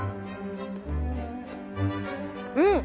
うん！